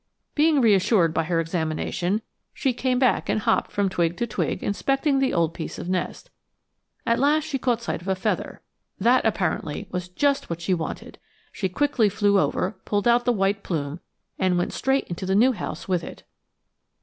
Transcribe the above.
Being reassured by her examination, she came back and hopped from twig to twig inspecting the old piece of nest. At last she caught sight of a feather. That, apparently, was just what she wanted. She quickly flew over, pulled out the white plume, and went straight to the new house with it!